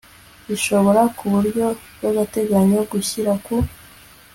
ishobora ku buryo bw agateganyo gushyira ku